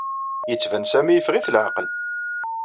Yettban Sami yeffeɣ-it leɛqel.